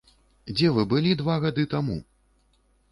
Дзе вы былі два гады таму?